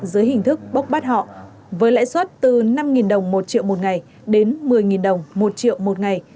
dưới hình thức bốc bắt họ với lãi suất từ năm đồng một triệu một ngày đến một mươi đồng một triệu một ngày